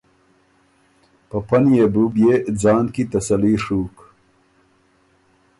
په پۀ نيې بُو بيې ځان کی تسلي ڒُوک۔